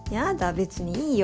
別にいいよ。